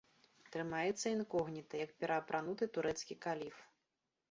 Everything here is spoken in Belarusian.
Трымаецца інкогніта, як пераапрануты турэцкі каліф.